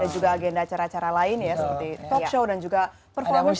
dan juga agenda acara acara lain ya seperti talkshow dan juga performance